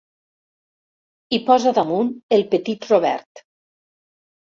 Hi posa damunt el Petit Robert.